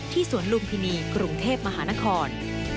สวนลุมพินีกรุงเทพมหานคร